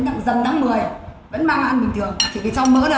dần tháng mười vẫn mang ăn bình thường chỉ vì trong mỡ là